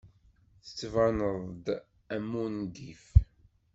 Tettbaneḍ-d am wungif.